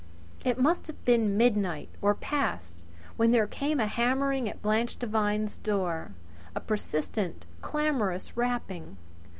It must have been midnight or past when there came a hammering at Blanche Devine's door a persistent, clamorous rapping.